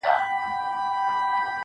په زړه کي مي خبري د هغې د فريادي وې.